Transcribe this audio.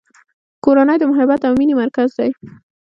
کورنۍ د محبت او مینې مرکز دی.